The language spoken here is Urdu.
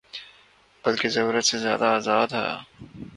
بلکہ ضرورت سے زیادہ آزاد ہے۔